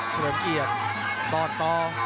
เฉลิมเกียรติตอน